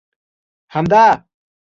همدا!